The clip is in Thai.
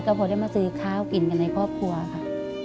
ก็พอได้มาซื้อข้าวกินกันในครอบครัวค่ะ